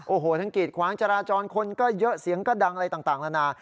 โอ้โหทั้งกีดขวางจราจรคนก็เยอะเสียงก็ดังอะไรต่างนานา